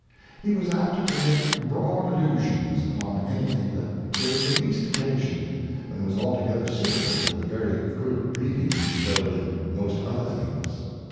He was apter to make broad Allusions upon any thing that gave the least occasion, than was altogether suitable with the very Good breeding he shewed in most other things.